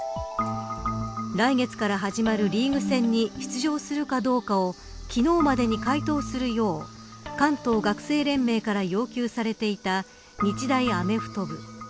来月から始まるリーグ戦に出場するかどうかを昨日までに回答するよう関東学生連盟から要求されていた日大アメフト部。